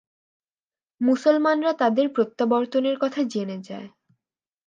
মুসলমানরা তাদের প্রত্যাবর্তনের কথা জেনে যায়।